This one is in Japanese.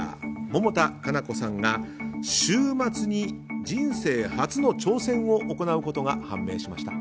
百田夏菜子さんが週末に人生初の挑戦を行うことが判明しました。